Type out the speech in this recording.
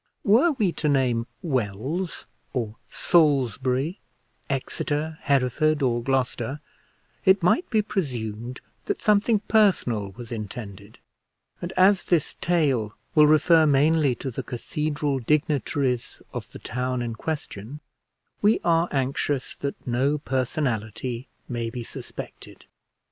Were we to name Wells or Salisbury, Exeter, Hereford, or Gloucester, it might be presumed that something personal was intended; and as this tale will refer mainly to the cathedral dignitaries of the town in question, we are anxious that no personality may be suspected.